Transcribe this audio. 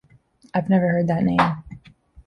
I've never heard that name.